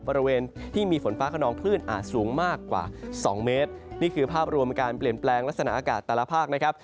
บริเวณที่มีฝนฟ้าขนองคลื่นอาจสูงมากกว่าสองเมตรนี่คือภาพรวมการเปลี่ยนแปลงลักษณะอากาศแต่ละภาคนะครับ